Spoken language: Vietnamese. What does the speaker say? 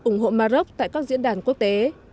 ủng hộ maroc tại các diễn đàn quốc tế